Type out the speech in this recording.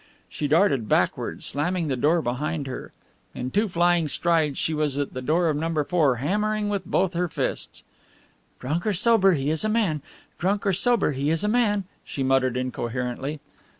She darted backward, slamming the door behind her. In two flying strides she was at the door of No. 4, hammering with both her fists. "Drunk or sober he is a man! Drunk or sober he is a man!" she muttered incoherently.